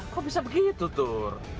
kok bisa begitu tur